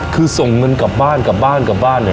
คือส่งเงินกลับบ้านกลับบ้าน